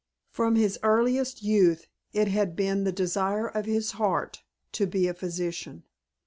From his earliest youth it had been the desire of his heart to be a physician.